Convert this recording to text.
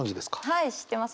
はい知ってます